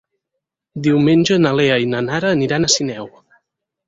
Diumenge na Lea i na Nara aniran a Sineu.